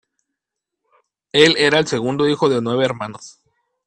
Él era el segundo hijo de nueve hermanos.